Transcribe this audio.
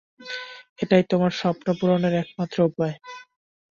এটাই তোমার স্বপ্নপূরণের একমাত্র উপায়!